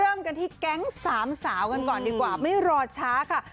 เริ่มกันที่แก๊งสามสาวกันก่อนดีกว่าไม่รอช้าค่ะ